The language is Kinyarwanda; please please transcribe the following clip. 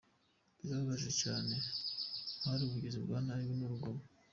Birababaje cyane, hari ubugizi bwa nabi n’urugomo.